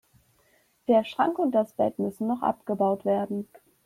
Der Schrank und das Bett müssen noch abgebaut werden.